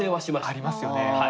ありますよね。